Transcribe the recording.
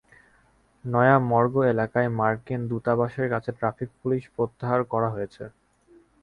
নয়া মর্গ এলাকায় মার্কিন দূতাবাসের কাছে ট্রাফিক পুলিশ প্রত্যাহার করা হয়েছে।